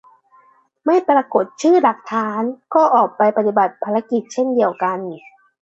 ไม่ปรากฏชื่อหลักฐาน ก็ออกไปปฏิบัติภารกิจเช่นเดียวกัน